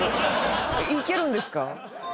いけるんですか？